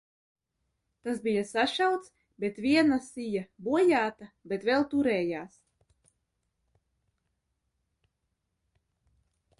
Tas bija sašauts, bet viena sija, bojāta, bet vēl turējās.